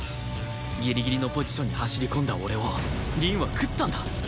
ギリギリのポジションに走り込んだ俺を凛は喰ったんだ！